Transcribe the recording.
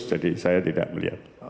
jadi saya tidak melihat